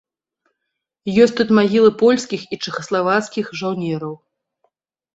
Ёсць тут магілы польскіх і чэхаславацкай жаўнераў.